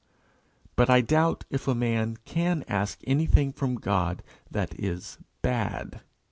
But I doubt if a man can ask anything from God that is bad.